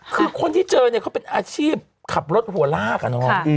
คือคนที่เจอเนี่ยเขาเป็นอาชีพขับรถหัวลากอะเนาะ